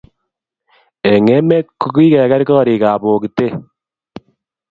eng' emet ko kikiker koriikab bokite